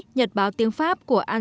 nhật báo tiếng pháp của ai cập